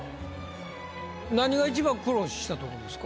何が一番苦労したとこですか？